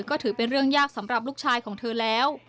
ก็ถือเป็นเรื่องยากสำหรับลูกชายของเธอแล้ว